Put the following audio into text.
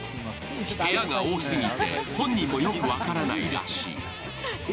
部屋が多すぎて本人もよく分からないらしい。